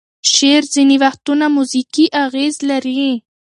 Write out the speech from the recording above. شعر ځینې وختونه موزیکي اغیز لري.